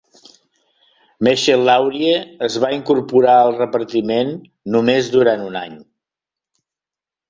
Meshel Laurie es va incorporar al repartiment només durant un any.